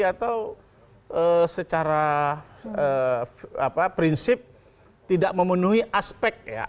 atau secara prinsip tidak memenuhi aspek ya